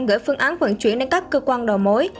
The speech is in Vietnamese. gửi phương án vận chuyển đến các cơ quan đầu mối